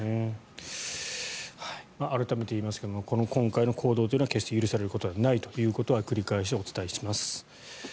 改めて言いますが今回のこの行動というのは決して許されることではないということは繰り返しお伝えします。